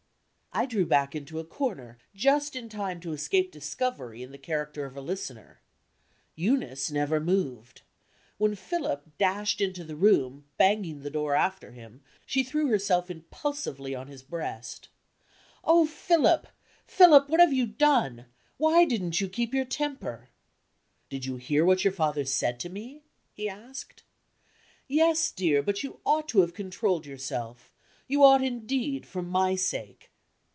I drew back into a corner, just in time to escape discovery in the character of a listener. Eunice never moved. When Philip dashed into the room, banging the door after him, she threw herself impulsively on his breast: "Oh, Philip! Philip! what have you done? Why didn't you keep your temper?" "Did you hear what your father said to me?" he asked. "Yes, dear; but you ought to have controlled yourself you ought, indeed, for my sake."